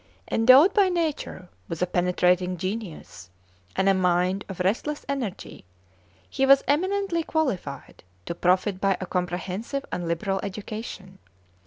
Endowed by nature with a penetrating genius and a mind of restless energy, he was eminently qualified to profit by a comprehensive and liberal education.